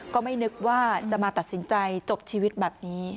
ก็ไม่นึกว่าจะมาตัดสินใจจบชีวิตแบบนี้